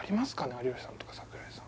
有吉さんとか櫻井さん